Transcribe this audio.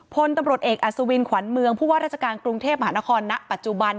พลตำรวจเอกอัศวินขวัญเมืองผู้ว่าราชการกรุงเทพมหานครณปัจจุบัน